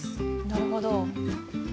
なるほど。